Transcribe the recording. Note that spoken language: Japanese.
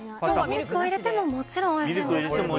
ミルクを入れても、もちろんおいしいんですけれども。